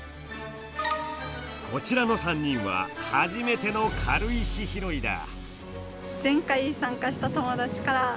こちらの３人は初めての軽石拾いだ。